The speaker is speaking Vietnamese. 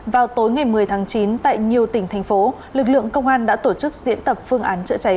vào tối ngày một mươi tháng chín tại nhiều tỉnh thành phố lực lượng công an đã tổ chức diễn tập phương án chữa cháy